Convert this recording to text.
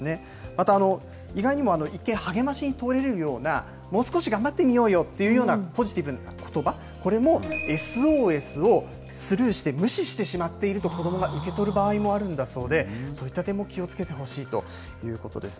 また、いがいにも、一見、励ましにとれるような、もう少し頑張ってみようよというふうなポジティブなことば、これもＳＯＳをスルーして、無視してしまっていると、子どもが受け取る場合もあるんだそうで、そういった点も気をつけてほしいということです。